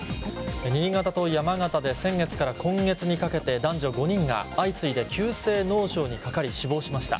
新潟と山形で先月から今月にかけて男女５人が相次いで急性脳症にかかり死亡しました。